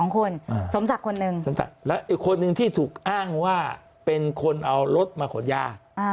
๒คนสมศักดิ์คนหนึ่งสมศักดิ์แล้วอีกคนนึงที่ถูกอ้างว่าเป็นคนเอารถมาขนยา